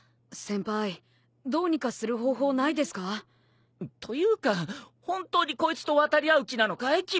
先輩どうにかする方法ないですか？というか本当にこいつと渡り合う気なのかい？